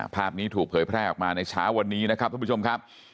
ภาพนี้ถูกเผยแพร่ออกมาในเช้าวันนี้นะครับท่านผู้ชมครับ